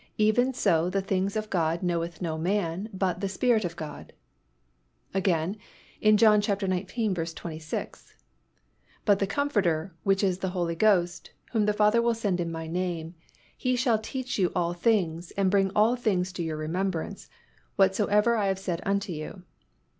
Even so the things of God knoweth no man, but the Spirit of God." Again in John xiv. 26, "But the Comforter, which is the Holy Ghost, whom the Father will send in My name, He shall teach you all things, and bring all things to your remembrance, whatsoever I have said unto you."